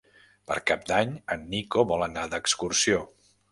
Per Cap d'Any en Nico vol anar d'excursió.